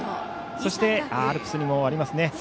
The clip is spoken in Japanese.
そしてアルプスにもありますね。